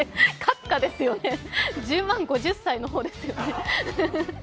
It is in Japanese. それ、閣下ですよね、１０万５０歳の方ですよね。